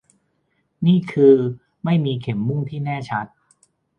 นี่คือไม่มีเข็มมุ่งที่แน่ชัด